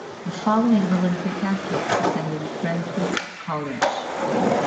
The following Olympic athletes attended Brentwood College.